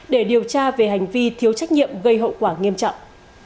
để điều tra về hành vi thiếu trách nhiệm gây hậu quả nghiêm trọng